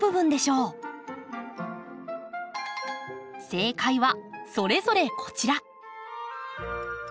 正解はそれぞれこちら。